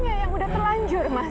katanya yang udah terlanjur mas